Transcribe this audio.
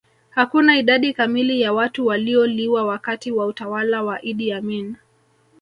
hakuna idadi kamili ya watu waliouliwa wakati wa utawala wa idi amin